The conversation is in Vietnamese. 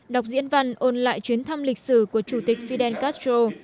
đọc diễn văn ôn lại chuyến thăm lịch sử của chủ tịch fidel castro